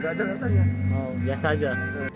oh biasa aja